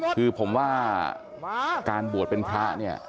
คือผมว่าการบวชเป็นพระ